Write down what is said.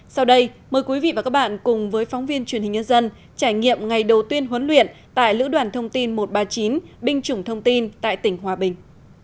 sau đây mời quý vị và các bạn cùng với phóng viên truyền hình nhân dân trải nghiệm ngày đầu tiên huấn luyện tại lữ đoàn thông tin một trăm ba mươi chín binh chủng thông tin tại tỉnh hòa bình